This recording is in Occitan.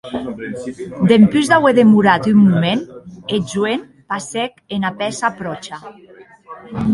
Dempús d’auer demorat un moment, eth joen passèc ena pèça pròcha.